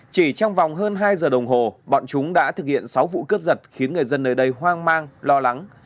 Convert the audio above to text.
chỉ trong vòng hơn hai giờ đồng hồ bọn chúng đã thực hiện sáu vụ cướp giật khiến người dân nơi đây hoang mang lo lắng